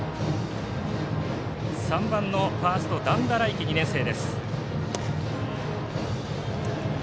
３番のファースト段田頼輝、２年生。